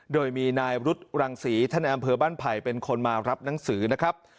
โดยมีนายรุษรังศรีท่านในอำเภอบ้านไผ่เป็นคนมารับหนังสือนะครับ